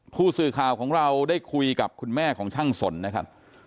ผู้สื่อข่าวของเราได้คุยกับคุณแม่ของช่างสนนะครับ